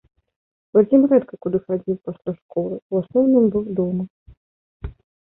Вадзім рэдка куды хадзіў пасля школы, у асноўным быў дома.